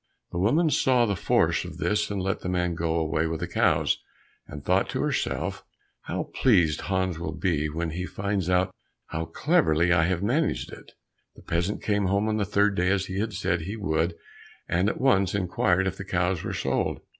The woman saw the force of this, and let the man go away with the cows, and thought to herself, "How pleased Hans will be when he finds how cleverly I have managed it!" The peasant came home on the third day as he had said he would, and at once inquired if the cows were sold?